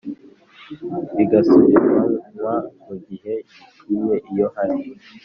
bigasubiranywa mu gihe gikwiye iyo hari